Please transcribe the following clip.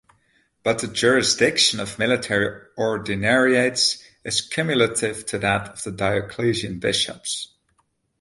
But the jurisdiction of military ordinariates is cumulative to that of the diocesan bishops.